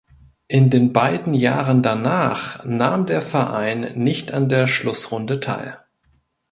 In den beiden Jahren danach nahm der Verein nicht an der Schlussrunde teil.